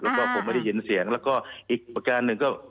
แล้วก็ผมไม่ได้ยินเสียงแล้วก็อีกประการหนึ่งก็